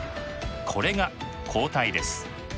これが抗体です。